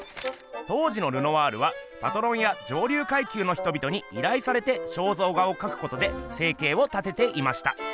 当時のルノワールはパトロンや上流階級のひとびとにいらいされて肖像画をかくことで生計を立てていました。